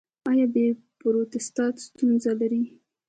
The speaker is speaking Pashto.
ایا د پروستات ستونزه لرئ؟